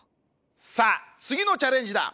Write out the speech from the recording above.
さあつぎのチャレンジだ！